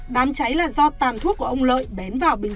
đám cháy là do tàn thuốc của ông lợi bén vào bình